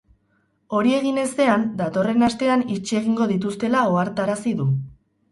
Hori egin ezean, datorren astean itxi egingo dituztela ohartarazi du.